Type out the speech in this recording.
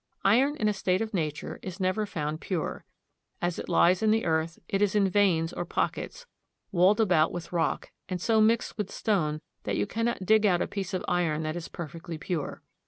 Iron in a state of nature is never found pure. As it lies in the earth, it is in veins or pockets, walled about with rock, and so mixed with stone that you cannot dig out a piece of iron that is perfectly pure.